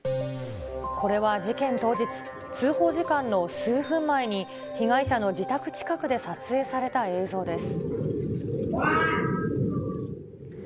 これは事件当日、通報時間の数分前に、被害者の自宅近くで撮影された映像です。